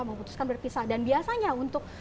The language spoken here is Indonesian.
memutuskan berpisah dan biasanya untuk